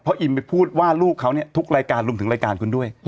อิมไปพูดว่าลูกเขาเนี่ยทุกรายการรวมถึงรายการคุณด้วย